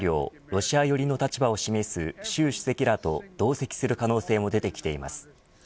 ロシア寄りの立場を示す習主席らと同席する可能性も出てきています。